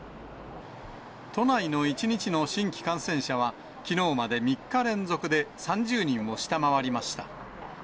都内の１日の新規感染者は、きのうまで３日連続で３０人を下回りました。